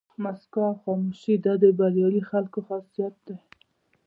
موسکا او خاموشي دا د بریالي خلکو خاصیت دی.